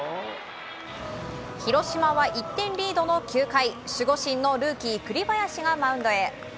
広島は１点リードの９回守護神のルーキー栗林がマウンドへ。